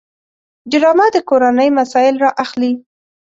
ډرامه د کورنۍ مسایل راخلي